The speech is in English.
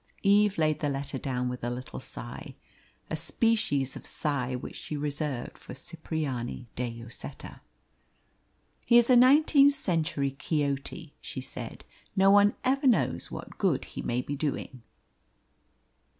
Eve laid the letter down with a little sigh, a species of sigh which she reserved for Cipriani de Lloseta. "He is a nineteenth century Quixote," she said. "No one ever knows what good he may be doing."